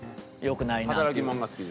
働き者が好き？